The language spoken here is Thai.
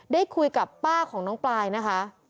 ได้คุยกับป้าของน้องปลายนะคะ